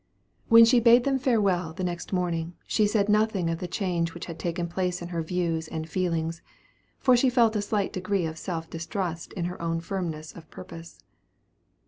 When she bade them farewell the next morning, she said nothing of the change which had taken place in her views and feelings, for she felt a slight degree of self distrust in her own firmness of purpose.